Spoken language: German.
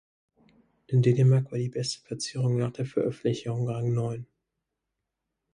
In Dänemark war die beste Platzierung nach der Veröffentlichung Rang neun.